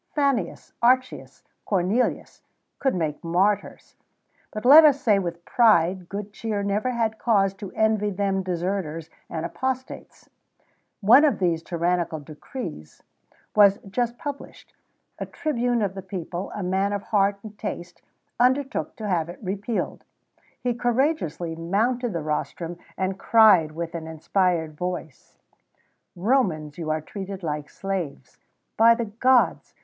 Fannius, Archius, Cornelius, could make martyrs; but let us say, with pride, good cheer never had cause to envy them deserters and apostates. One of these tyrannical decrees was just published; a tribune of the people, a man of heart and taste, undertook to have it repealed. He courageously mounted the rostrum, and cried, with an inspired voice: "Romans! you are treated like slaves. By the gods!